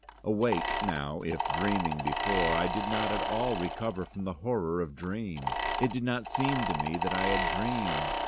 Awake, now, if dreaming before, I did not at all recover from the horror of dream: it did not seem to me that I had dreamed.